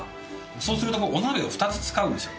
そうするとお鍋を２つ使うんですよ。